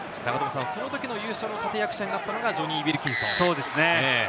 そのときの優勝の立役者になったのがジョニー・ウィルキンソン。